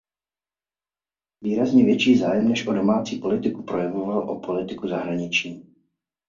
Výrazně větší zájem než o domácí politiku projevoval o politiku zahraniční.